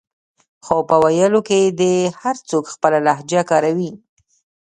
خو په ویلو کې دې هر څوک خپله لهجه کاروي